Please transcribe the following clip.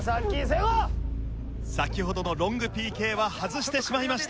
先ほどのロングＰＫは外してしまいました。